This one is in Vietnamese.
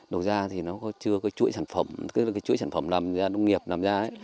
đầu da thì nó chưa có chuỗi sản phẩm cái chuỗi sản phẩm làm ra nông nghiệp làm ra ấy